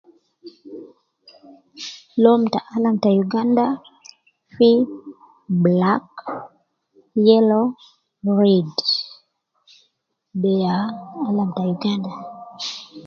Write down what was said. Loun ta alam ta uganda fi black, yellow, red, de ya alam ta uganda